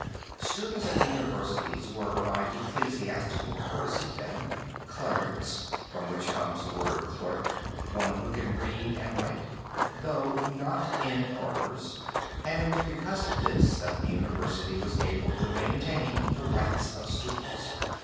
Students at the universities were by ecclesiastical courtesy then, clerics (from which comes the word clerk, one who can read and write) though not in orders, and it was because of this that the university was able to maintain the rights of students.